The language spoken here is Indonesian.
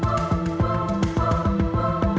kalo memang bener dia din